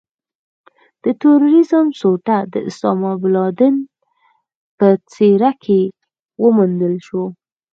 د ترورېزم سوټه د اسامه بن لادن په څېره کې وموندل شوه.